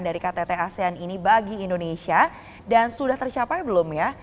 dari ktt asean ini bagi indonesia dan sudah tercapai belum ya